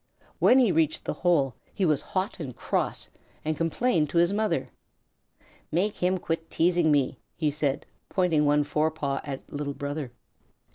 When he reached the hole he was hot and cross, and complained to his mother. "Make him quit teasing me," he said, pointing one forepaw at Little Brother.